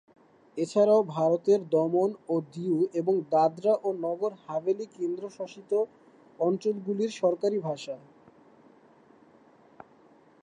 এছাড়াও ভারতের দমন ও দিউ এবং দাদরা ও নগর হাভেলি কেন্দ্রশাসিত অঞ্চলগুলির সরকারি ভাষা।